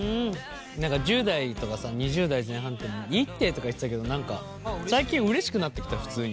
何か１０代とかさ２０代前半っていいってとか言ってたけど何か最近うれしくなってきた普通に。